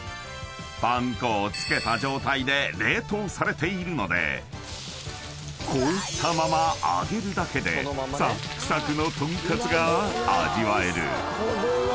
［パン粉を付けた状態で冷凍されているので凍ったまま揚げるだけでサックサクのとんかつが味わえる］